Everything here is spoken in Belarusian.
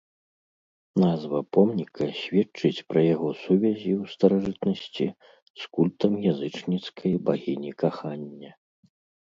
Назва помніка сведчыць пра яго сувязі ў старажытнасці з культам язычніцкай багіні кахання.